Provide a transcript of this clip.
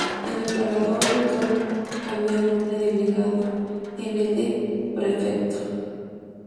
El emperador Otón cambió el nombre de legado en el de "prefecto".